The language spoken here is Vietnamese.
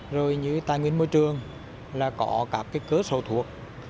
rồi như tài nguyên môi trường là có các cái cớ sổ thuộc